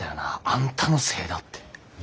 「あんたのせいだ」って。